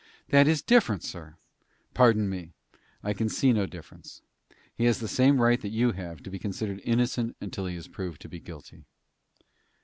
"That is different, sir." "Pardon me, I can see no difference. He has the same right that you have to be considered innocent till he is proved to be guilty."